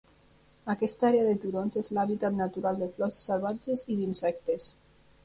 Aquesta àrea de turons és l'hàbitat natural de flors salvatges i d'insectes.